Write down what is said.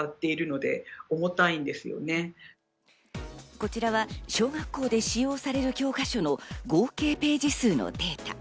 こちらは小学校で使用される教科書の合計ページ数のデータ。